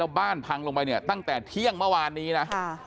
แล้วบ้านพังลงไปตั้งแต่เที่ยงเมื่อวานนี้นะ